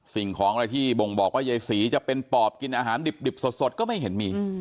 สิ่งของอะไรที่บ่งบอกว่ายายศรีจะเป็นปอบกินอาหารดิบสดก็ไม่เห็นมี